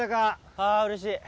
あぁうれしい。